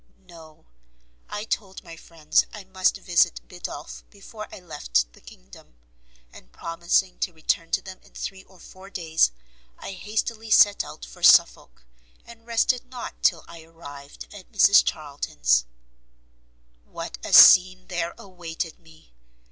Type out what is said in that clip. No; I told my friends I must visit Biddulph before I left the kingdom, and promising to return to them in three or four days, I hastily set out for Suffolk, and rested not till I arrived at Mrs Charlton's. What a scene there awaited me!